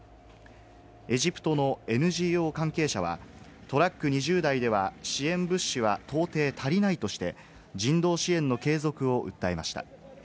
エジプトのＮＧＯ関係者は、トラック２０台では支援物資は到底足りないとして、人道支援の継続を訴えました。